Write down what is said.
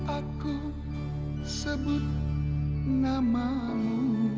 aku sebut namamu